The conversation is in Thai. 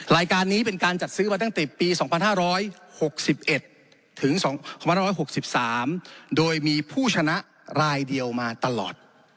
รายการนี้เป็นการจัดซื้อมาตั้งแต่ปี๒๕๖๑ถึง๒๑๖๓โดยมีผู้ชนะรายเดียวมาตลอด